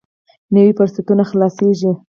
نوي فرصتونه خلاصېږي.